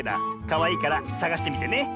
かわいいからさがしてみてね！